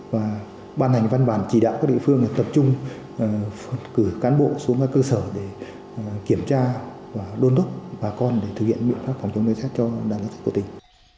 và ban hành văn bản chỉ đạo các địa phương tập trung cử cán bộ xuống các cơ sở để kiểm tra và đôn đốc bà con để thực hiện biện pháp phòng chống lấy xét cho đàn gia súc của tỉnh